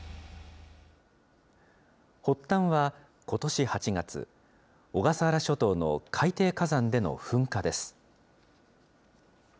発端はことし８月、小笠原諸島の海底火山での噴火です。